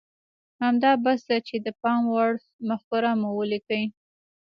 همدا بس ده چې د پام وړ مفکوره مو وليکئ.